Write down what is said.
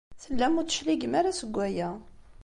Tellam ur d-tecligem ara seg waya.